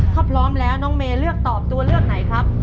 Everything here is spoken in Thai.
ถ้าพร้อมแล้วน้องเมย์เลือกตอบตัวเลือกไหนครับ